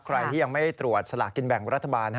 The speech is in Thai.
ใครที่ยังไม่ตรวจสลากกินแบ่งรัฐบาล